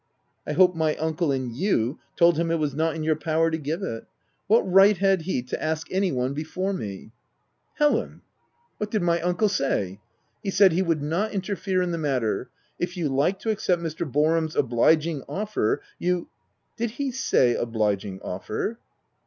" I hope my uncle and you told him it was not in your power to give it. What right had he to ask any one before me }"" Helen !»" What did my uncle say 7" "He said he would not interfere in the matter; if you liked to accept Mr. Boarham's obliging offer, you "" Did he say obliging offer